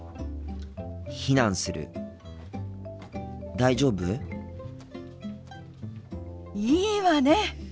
大丈夫？いいわね！